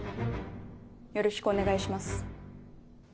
よろしくお願いします。